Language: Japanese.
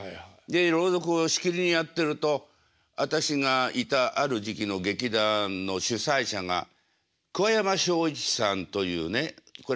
で朗読をしきりにやってると私がいたある時期の劇団の主宰者が桑山正一さんというねこれ日本を代表する